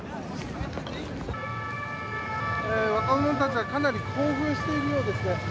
若者たちは、かなり興奮しているようですね。